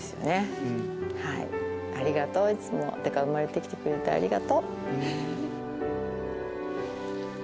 ありがとういつも生まれて来てくれてありがとう。